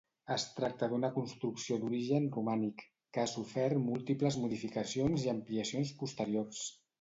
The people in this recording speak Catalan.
Es tracta d'una construcció d'origen romànic, que ha sofert múltiples modificacions i ampliacions posteriors.